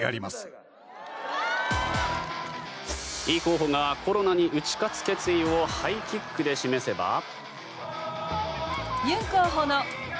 イ候補がコロナに打ち勝つ決意をハイキックで示せば。